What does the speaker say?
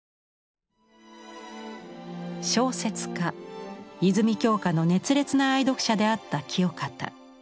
小説家泉鏡花の熱烈な愛読者であった清方。